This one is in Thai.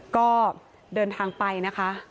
ก็เดินทางไปนะคะ